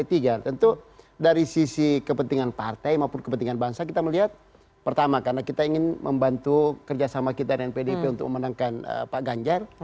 tentu dari sisi kepentingan partai maupun kepentingan bangsa kita melihat pertama karena kita ingin membantu kerjasama kita dengan pdip untuk memenangkan pak ganjar